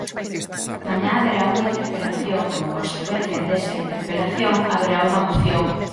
Mañá haberá unha interpelación, como consecuencia desa interpelación haberá unha moción.